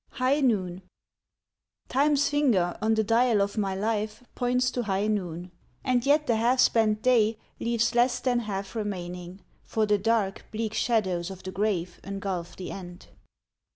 =High Noon= Time's finger on the dial of my life Points to high noon! and yet the half spent day Leaves less than half remaining, for the dark, Bleak shadows of the grave engulf the end.